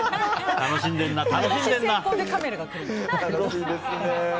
楽しんでるな。